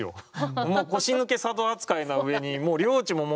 もう腰抜け佐渡扱いな上にもう領地も持ってないから。